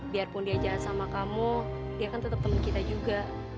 biarpun dia jahat sama kamu dia kan tetap temen kita juga